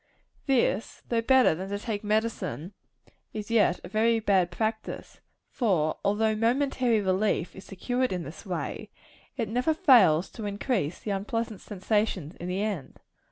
This, though better than to take medicine, is yet a very bad practice; for although momentary relief is secured in this way, it never fails to increase the unpleasant sensations in the end.